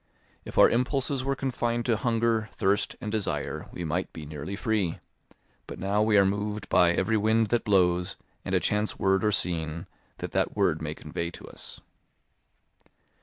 If our impulses were confined to hunger, thirst, and desire, we might be nearly free; but now we are moved by every wind that blows and a chance word or scene that that word may convey to us.